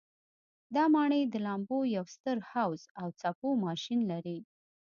دا ماڼۍ د لامبو یو ستر حوض او څپو ماشین لري.